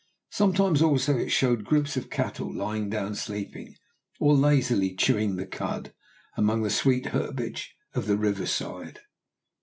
Sometimes also it showed groups of cattle lying down sleeping, or lazily chewing the cud, among the sweet herbage of the river's side.